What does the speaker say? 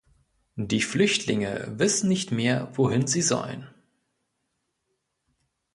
Die Flüchtlinge wissen nicht mehr, wohin sie sollen.